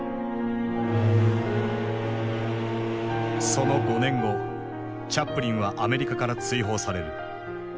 その５年後チャップリンはアメリカから追放される。